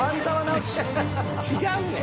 違うねん。